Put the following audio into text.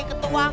ketauan nih ya